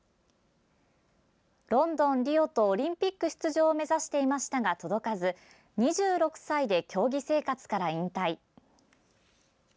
ロンドン、リオとオリンピック出場を目指していましたが届かず２６歳で競技生活から引退。